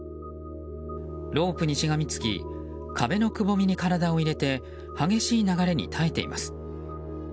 ロープにしがみつき壁のくぼみに体を入れて激しい流れに耐えています。